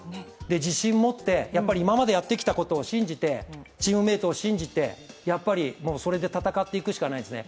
自信を持って、今までやってきたことを信じて、チームメイトを信じて、それで戦っていくしかないですね。